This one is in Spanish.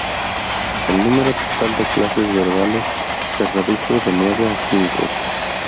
El número total de clases verbales se redujo de nueve a cinco.